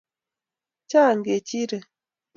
chaang kechirek